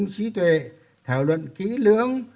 sẽ thảo luận kỹ lưỡng